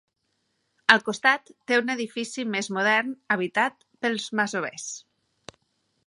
Al costat té un edifici més modern, habitat pels masovers.